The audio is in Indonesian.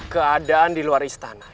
keadaan di luar istana